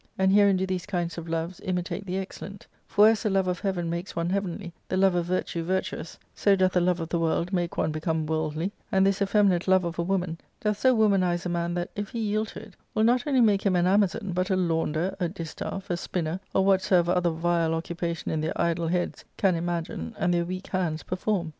And herein do ese kinds of loves imitate the_excellent ; for as the love of heaven makes one heavenly, the love of virtue virtuous, so doth the love of the world make one become worldly ; and this effeminate love of a woman doth so womanize a man that, if he yield to it, will not only make him an Amazon, but a launder [washer], a distafl^ a spinner, or whatsoever other vile occupation their idle heads can imagine and their weak hands perform.